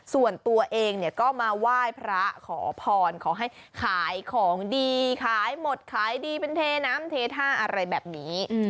ส่วนตัวเองเนี่ยก็มาไหว้พระขอพรขอให้ขายของดีขายหมดขายดีเป็นเทน้ำเทท่าอะไรแบบนี้